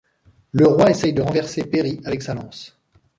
Le roi essaie de renverser Perry avec sa lance.